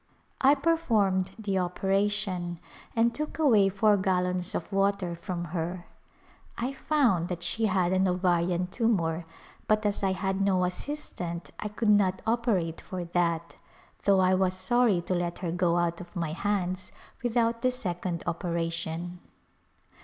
I performed the operation and took away four gallons of water from her. I found that she had an ovarian tumor but as I had no assistant I could not operate for that, though I was sorry to let her go out of my hands without the second operation.